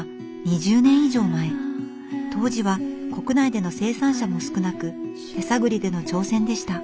当時は国内での生産者も少なく手探りでの挑戦でした。